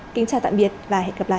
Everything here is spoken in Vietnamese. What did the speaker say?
kính chào tạm biệt và hẹn gặp lại